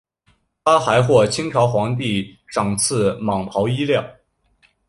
他还获清朝皇帝赏赐蟒袍衣料。